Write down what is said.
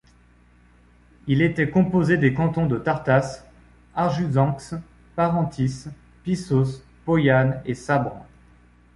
Il était composé des cantons de Tartas, Arjuzanx, Parentis, Pissos, Poyanne et Sabres.